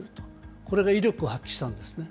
これが威力を発揮したんですね。